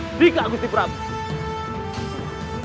indika gusti pramoda